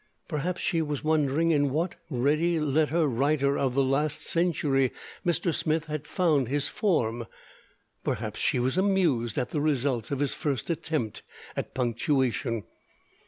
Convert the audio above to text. Perhaps she was wondering in what Ready Letter Writer of the last century Mr. Smith had found his form. Perhaps she was amused at the results of his first attempt at punctuation.